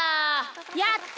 やった！